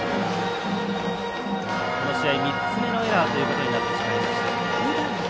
この試合３つ目のエラーということになってしまいました。